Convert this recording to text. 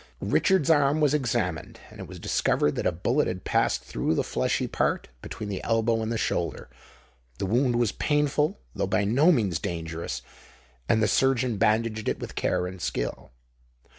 Richard's arm was examined; and it was discovered that a bullet had passed through the fleshy part between the elbow and the shoulder. The wound was painful, though by no means dangerous; and the surgeon bandaged it with care and skill.